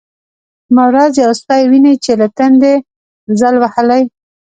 کومه ورځ يو سپى ويني چې له تندې ځل وهلى.